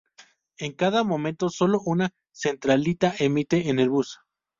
En cada momento solo una centralita emite en el bus.